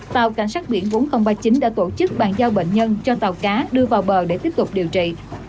tàu cảnh sát biển bốn nghìn ba mươi chín đã tổ chức bàn giao bệnh nhân cho tàu cá đưa vào bờ để tiếp tục điều trị